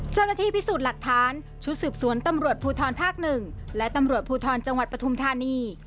เจ้าหน้าที่พิสูจน์หลักฐานชุดสืบสวนตำรวจภูทรภาค๑และตำรวจภูทรจังหวัดปฐุมธานี